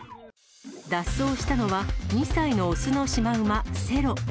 脱走したのは、２歳の雄のシマウマ、セロ。